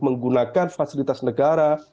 menggunakan fasilitas negara